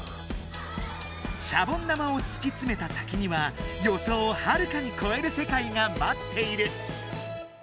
シャボン玉をつきつめた先にはよそうをはるかにこえる世界がまっている。